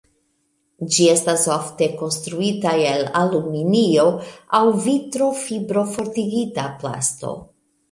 Ĝi estas ofte konstruita el aluminio aŭ vitrofibro-fortigita plasto.